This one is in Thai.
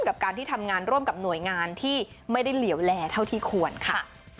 กับการที่ทำงานร่วมกับหน่วยงานที่ไม่ได้เหลี่ยวแลเท่าที่ควรค่ะ